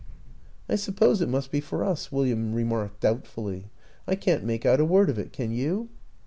" I suppose it must be for us," William re marked doubtfully. " I can't make out a word of it can you?